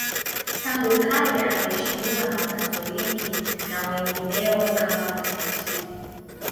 Tangu kale anaheshimiwa na Wakatoliki na wengineo kama mtakatifu.